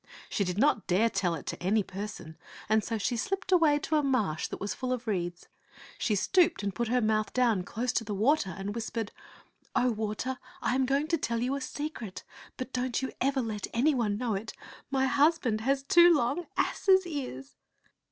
She did not dare tell it to any person, and so she slipped away to a marsh that was full of reeds. She stooped and put her mouth down close to the water and whispered, "O water, I am going to tell you a secret, but don't you ever let any one know ii8 t^t W\U of (gate's tcKk it: my husband has two long asses' ears!